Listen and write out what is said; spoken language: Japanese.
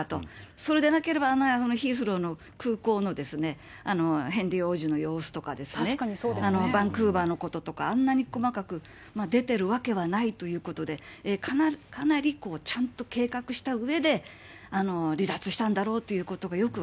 それでなければ、あのヒースローの空港のヘンリー王子の様子とかですね、バンクーバーのこととか、あんなに細かく出てるわけはないということで、かなりちゃんと計画したうえで離脱したんだろうということが、よ